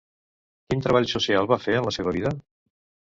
Quin treball social va fer en la seva vida?